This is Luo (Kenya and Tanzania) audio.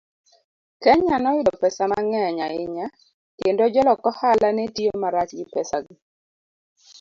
Kenya noyudo pesa mang'eny ahinya, kendo jolok ohala ne tiyo marach gi pesago.